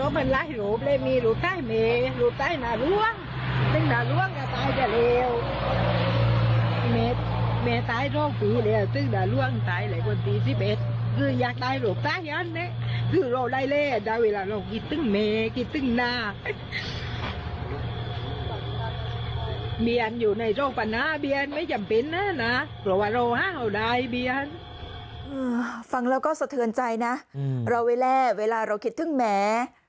ฟังแล้วก็สะเทือนใจนะเราเวลาเราคิดถึงแหม